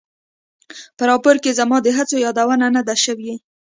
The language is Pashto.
په راپور کې زما د هڅو یادونه نه ده شوې.